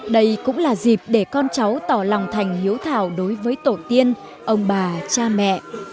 đây cũng là dịp để con cháu tỏ lòng thành hiếu thảo đối với tổ tiên ông bà cha mẹ